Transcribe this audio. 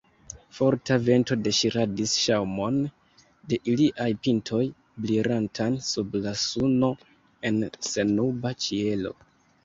Forta vento deŝiradis ŝaŭmon de iliaj pintoj, brilantan sub la suno en sennuba ĉielo.